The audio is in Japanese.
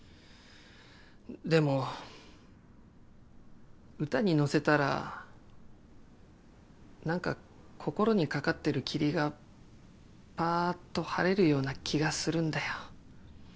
でも歌にのせたら何か心にかかってる霧がパーッとはれるような気がするんだよ。